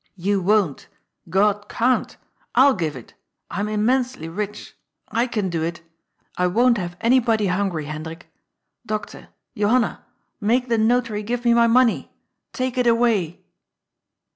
You won't. God can't. I'll give it. I'm im mensely rich. I can do it. I won't have anybody hungry, Hendrik. Doctor, Johanna, make the Notary give me my money. Take it away